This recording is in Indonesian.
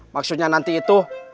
maksudnya nanti itu